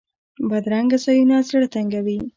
بدرنګه ځایونه زړه تنګوي